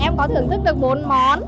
em có thưởng thức được bốn món